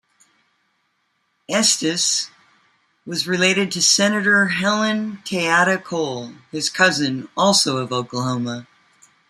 Estes was related to Senator Helen TeAta Cole, his cousin, also of Oklahoma.